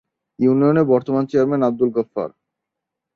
ইউনিয়নের বর্তমান চেয়ারম্যান আবদুল গোফফার।